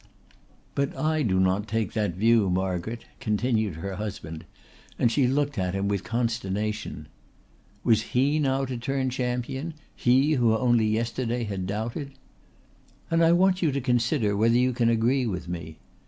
"But I do not take that view, Margaret," continued her husband, and she looked at him with consternation. Was he now to turn champion, he who only yesterday had doubted? "And I want you to consider whether you can agree with me.